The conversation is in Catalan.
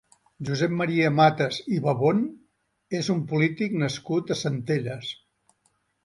Josep Maria Matas i Babon és un polític nascut a Centelles.